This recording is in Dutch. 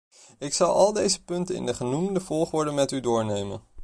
Ik zal al deze punten in de genoemde volgorde met u doornemen.